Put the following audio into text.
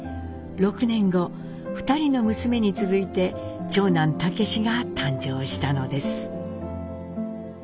６年後２人の娘に続いて長男武司が誕生したのです。